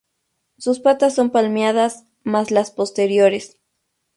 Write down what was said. Sus patas son palmeadas, más las posteriores.